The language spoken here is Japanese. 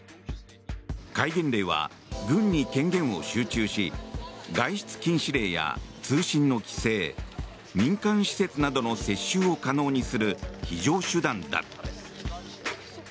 戒厳令は軍に権限を集中し外出禁止令や通信の規制民間施設などの接収を可能にする非常手段だ。